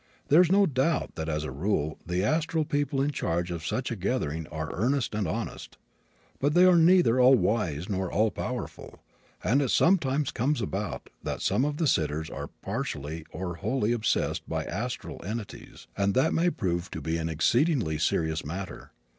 There is no doubt that as a rule the astral people in charge of such a gathering are earnest and honest. But they are neither all wise nor all powerful, and it sometimes comes about that some of the sitters are partially or wholly obsessed by astral entities, and that may prove to be an exceedingly serious matter.